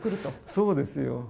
そうですよ。